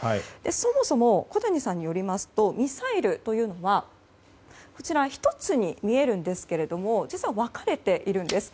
そもそも、小谷さんによりますとミサイルというのは１つに見えるんですが実は分かれているんです。